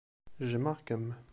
Jjmeɣ-kem.